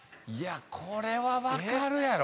これは分かるやろ。